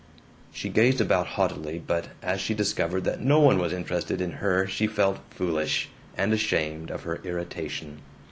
She gazed about haughtily, but as she discovered that no one was interested in her she felt foolish, and ashamed of her irritation.